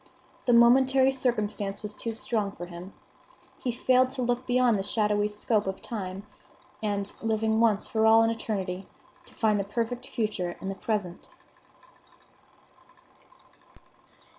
The momentary circumstance was too strong for him; he failed to look beyond the shadowy scope of time, and, living once for all in eternity, to find the perfect future in the present.